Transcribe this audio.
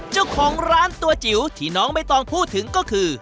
เจ้าของร้านตัวจิ๋วที่น้องใบตองพูดถึงก็คือ